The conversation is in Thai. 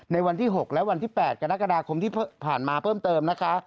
วันที่๖และวันที่๘กรกฎาคมที่ผ่านมาเพิ่มเติมนะคะ